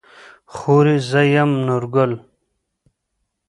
خورې زه يم نورګل.